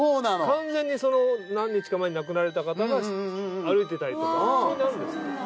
完全にその何日か前に亡くなられた方が歩いてたりとか普通にあるんですって。